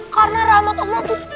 karena rahmat allah tuh